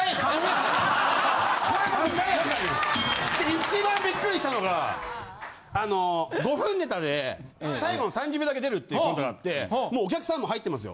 一番びっくりしたのがあの５分ネタで最後の３０秒だけ出るっていうコントがあってもうお客さんも入ってますよ。